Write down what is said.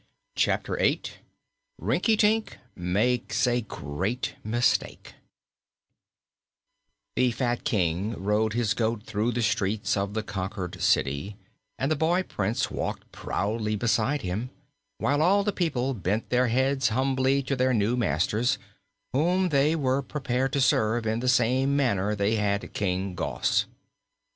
Chapter Eight Rinkitink Makes a Great Mistake The fat King rode his goat through the streets of the conquered city and the boy Prince walked proudly beside him, while all the people bent their heads humbly to their new masters, whom they were prepared to serve in the same manner they had King Gos.